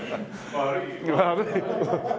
悪い。